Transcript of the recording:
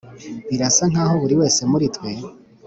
birasa nkaho buri wese muri twe